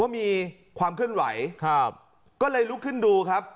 มีความเคลื่อนไหวครับก็เลยลุกขึ้นดูครับ